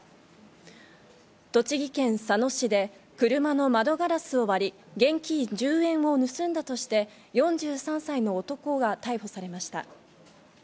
栃木県佐野市で車の窓ガラスを割り、現金１０円を盗んだとして、４３歳の男が逮捕されました。